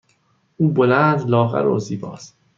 او بلند، لاغر و زیبا است.